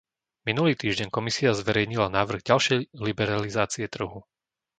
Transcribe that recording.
Minulý týždeň Komisia zverejnila návrh ďalšej liberalizácie trhu.